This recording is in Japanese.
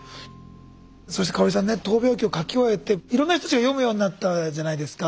そして香さんね闘病記を書き終えていろんな人たちが読むようになったじゃないですか。